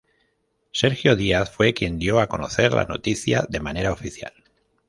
Sergio Díaz fue quien dio a conocer la noticia de manera oficial.